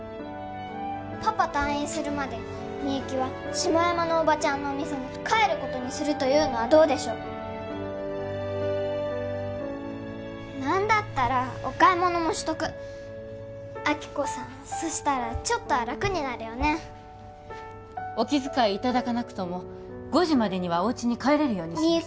パパ退院するまでみゆきは下山のおばちゃんのお店に帰ることにするというのはどうでしょう何だったらお買い物もしとく亜希子さんそしたらちょっとは楽になるよねお気遣いいただかなくとも５時までにはおうちに帰れるようにします